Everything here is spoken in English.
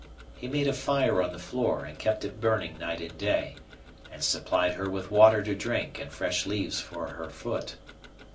He made a fire on the floor and kept it burning night and day, and supplied her with water to drink and fresh leaves for her foot.